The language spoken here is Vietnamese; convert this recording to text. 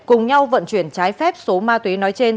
cùng nhau vận chuyển trái phép số ma túy nói trên